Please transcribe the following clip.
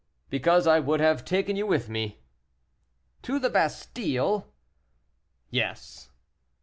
"Because I would have taken you with me." "To the Bastile?" "Yes."